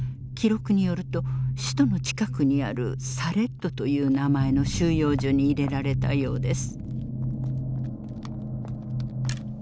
記録によると首都の近くにあるサレッドという名前の収容所に入れられたようです。